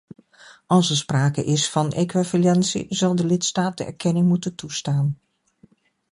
Als er sprake is van equivalentie, zal de lidstaat de erkenning moeten toestaan.